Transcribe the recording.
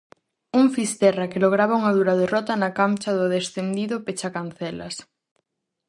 Un Fisterra que lograba unha dura derrota na cancha do descendido pechacancelas.